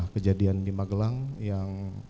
kejadian di magelang yang